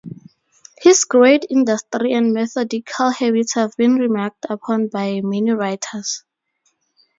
His great industry and methodical habits have been remarked upon by many writers.